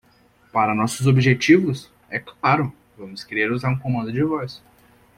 Para nossos objetivos,?, é claro,?, vamos querer usar um comando de voz.